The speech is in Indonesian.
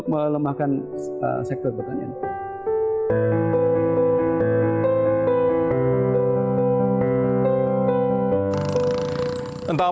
ketika memakan pembangunan pedas itu